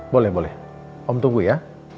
boleh boleh om tunggu ya